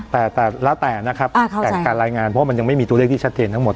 แต่แล้วแต่นะครับแต่การรายงานเพราะมันยังไม่มีตัวเลขที่ชัดเจนทั้งหมด